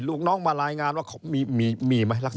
ลูกน้องมารายงานว่ามีไหมลักษณะ